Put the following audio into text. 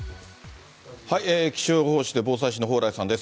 気象予報士で防災士の蓬莱さんです。